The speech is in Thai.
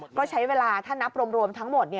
ก็ใช้เวลาถ้านับรวมทั้งหมด